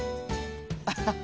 アハハ！